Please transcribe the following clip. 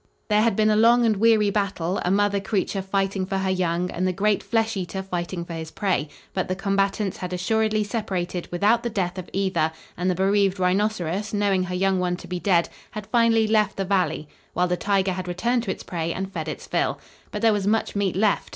There had been a long and weary battle a mother creature fighting for her young and the great flesh eater fighting for his prey. But the combatants had assuredly separated without the death of either, and the bereaved rhinoceros, knowing her young one to be dead, had finally left the valley, while the tiger had returned to its prey and fed its fill. But there was much meat left.